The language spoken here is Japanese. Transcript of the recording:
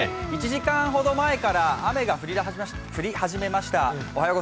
１時間ほど前から雨が降り始めました。